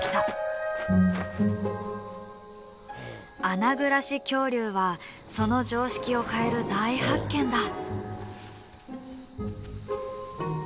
穴暮らし恐竜はその常識を変える大発見だ。